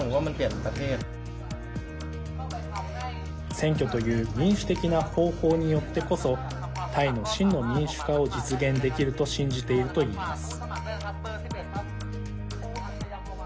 選挙という民主的な方法によってこそタイの真の民主化を実現できると信じているといます。